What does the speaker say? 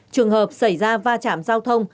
trường hợp xảy ra va chảm giao thông